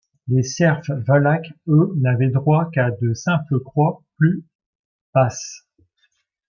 Les serfs valaques, eux, n’avaient droit qu’à de simples croix, plus basses.